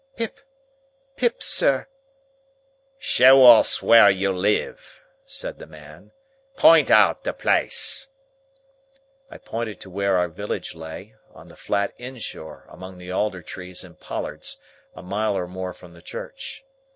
"Pip. Pip, sir." "Show us where you live," said the man. "Pint out the place!" I pointed to where our village lay, on the flat in shore among the alder trees and pollards, a mile or more from the church.